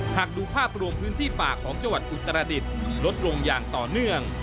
หากดูภาพรวมพื้นที่ป่าของจังหวัดอุตรดิษฐ์ลดลงอย่างต่อเนื่อง